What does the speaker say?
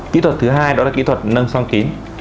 kỹ thuật thứ hai đó là kỹ thuật nâng song kín